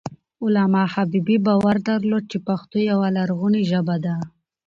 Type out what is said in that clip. علامه حبيبي باور درلود چې پښتو یوه لرغونې ژبه ده.